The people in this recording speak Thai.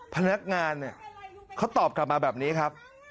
พนักงานเนี่ยเขาตอบกลับมาแบบนี้ครับ